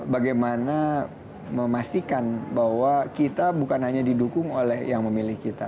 bagaimana memastikan bahwa kita bukan hanya didukung oleh yang memilih kita